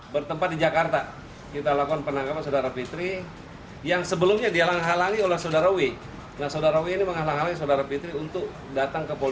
mereka berpengalaman dengan penangkapan dan penangkapan